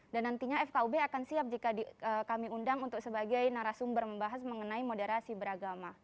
dan nantinya fkub akan siap jika kami undang untuk sebagai narasumber membahas mengenai moderasi beragama